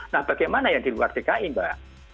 nah bagaimana yang di luar dki mbak